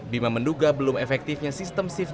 bima menduga belum efektifnya sistem cvr